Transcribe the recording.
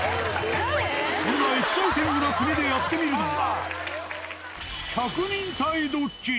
こんなエキサイティングな国でやってみるのは。